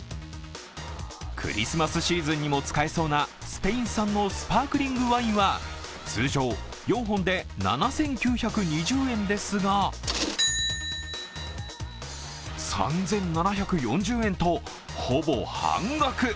クリスマスシーズンにも使えそうなスペイン産のスパークリングワインは通常４本で７９２０円ですが、３７４０円とほぼ半額。